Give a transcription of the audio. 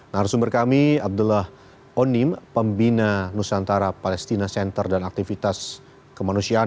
narasumber kami abdullah onim pembina nusantara palestina center dan aktivitas kemanusiaan